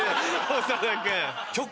長田君。